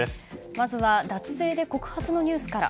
まずは、脱税で告発のニュースから。